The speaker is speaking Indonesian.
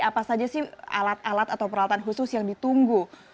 apa saja sih alat alat atau peralatan khusus yang ditunggu